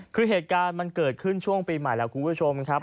คือเหตุการณ์มันเกิดขึ้นช่วงปีใหม่แล้วคุณผู้ชมครับ